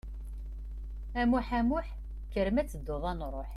A Muĥ, a Muḥ, kker ma tedduḍ ad nruḥ.